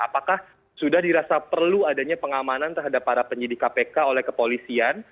apakah sudah dirasa perlu adanya pengamanan terhadap para penyidik kpk oleh kepolisian